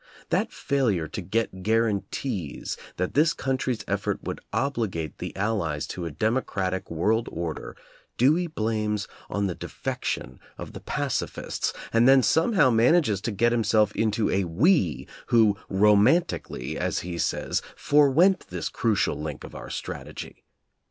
That failure to get guaranties that this country's effort would obligate the Allies to a democratic world order Dewey blames on the de fection of the pacifists, and then somehow man ages to get himself into a "we" who "romanti cally," as he says, forewent this crucial link of our strategy.